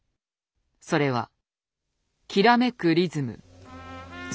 それは「きらめくリズム」。